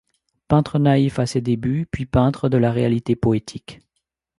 Peintre naïf à ses débuts, puis peintre de la réalité poétique.